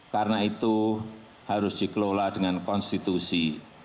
karena itu harus dikelola dengan konstitusi